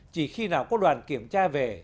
chỉ khi nào có đoàn kiểm tra về